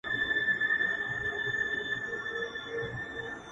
راته ښكلا راوړي او ساه راكړي.